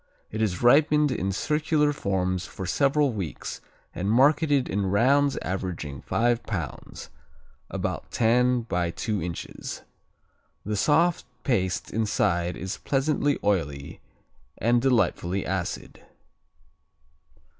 It is ripened in circular forms for several weeks and marketed in rounds averaging five pounds, about ten by two inches. The soft paste inside is pleasantly oily and delightfully acid.